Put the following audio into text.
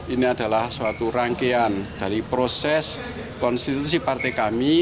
ini adalah suatu rangkaian dari proses konstitusi partai kami